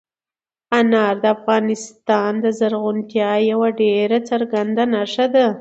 انار د افغانستان د زرغونتیا یوه ډېره څرګنده نښه ده.